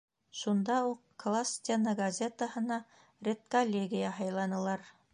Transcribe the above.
Шунда уҡ класс стена газетаһына редколлегия һайланылар.